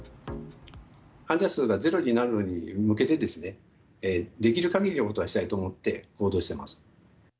患者数がゼロになるに向けて、できるかぎりのことはしたいと思って、行動してます。